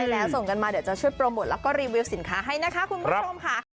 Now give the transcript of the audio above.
แล้วส่งกันมาเดี๋ยวจะช่วยโปรโมทแล้วก็รีวิวสินค้าให้นะคะคุณผู้ชมค่ะ